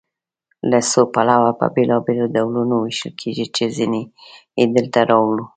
له څو پلوه په بېلابېلو ډولونو ویشل کیږي چې ځینې یې دلته راوړو.